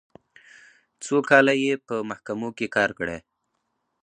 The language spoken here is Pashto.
څو کاله یې په محکمو کې کار کړی.